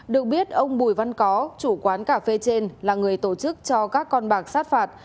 được biết ông bùi văn có chủ quán cà phê trên là người tổ chức cho các con bạc sát phạt